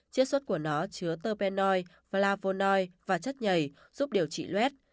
chiết xuất của nó chứa terpenoid flavonoid và chất nhầy giúp điều trị luet